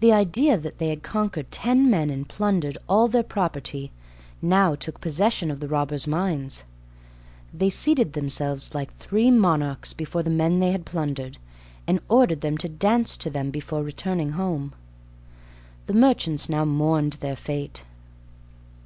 The idea that they had conquered ten men and plundered all their property now took possession of the robbers' minds. They seated themselves like three monarchs before the men they had plundered, and ordered them to dance to them before returning home. The merchants now mourned their fate.